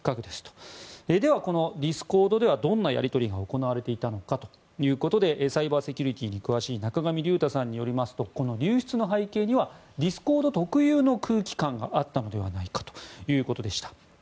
では、このディスコードではどんなやり取りが行われていたのかということでサイバーセキュリティーに詳しい仲上竜太さんによりますと流出の背景にはディスコード特有の空気感があったのではないかということでした。